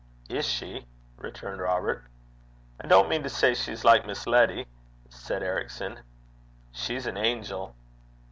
'Is she?' returned Robert. 'I don't mean to say she's like Miss Letty,' said Ericson. 'She's an angel!'